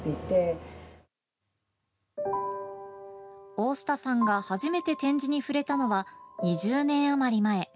大下さんが初めて点字に触れたのは２０年余り前。